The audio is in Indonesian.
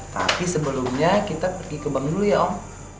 tapi sebelumnya kita pergi ke bank dulu ya om